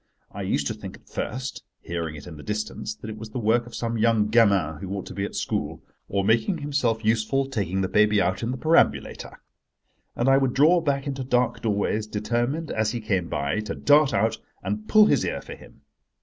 I used to think at first, hearing it in the distance, that it was the work of some young gamin who ought to be at school, or making himself useful taking the baby out in the perambulator: and I would draw back into dark doorways, determined, as he came by, to dart out and pull his ear for him.